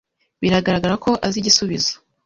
Biragaragara ko azi igisubizo.